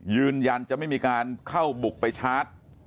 ยืนยันจะไม่มีการเข้าบุกไปชาร์จ